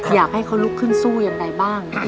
อยากให้เขาลุกขึ้นสู้ยังไงบ้าง